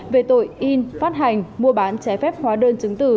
về tội in phát hành mua bán chế phép hóa đơn chứng từ